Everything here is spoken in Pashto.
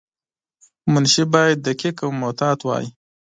منشي باید دقیق او محتاط وای.